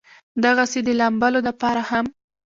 دغسې د لامبلو د پاره هم